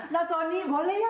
nasoni boleh ya